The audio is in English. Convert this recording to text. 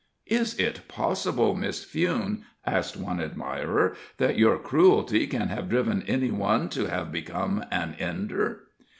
"Is it possible, Miss Fewne," asked one admirer, "that your cruelty can have driven any one to have become an Ender?"